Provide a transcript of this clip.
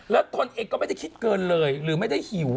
แล้วตนเองก็ไม่ได้คิดเกินเลยหรือไม่ได้หิว